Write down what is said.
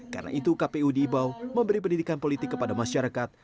karena itu kpu di ibau memberi pendidikan politik kepada masyarakat